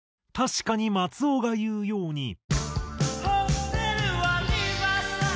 確かに松尾が言うように。